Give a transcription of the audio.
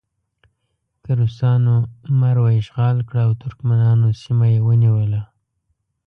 که روسانو مرو اشغال کړه او ترکمنانو سیمه یې ونیوله.